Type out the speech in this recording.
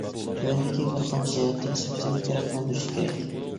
تۆۋەندىكى بىر قانچە جەھەتتىن سۈپىتىنى پەرقلەندۈرۈش كېرەك.